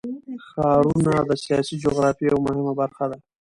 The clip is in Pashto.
ښارونه د سیاسي جغرافیه یوه مهمه برخه ده.